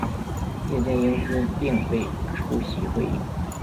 叶剑英因病未出席会议。